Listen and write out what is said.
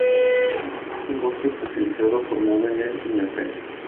Es un bosque fosilizado formado en el Mioceno.